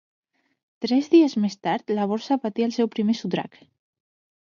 Tres dies més tard la borsa patia el seu primer sotrac.